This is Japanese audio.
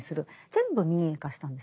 全部民営化したんですね。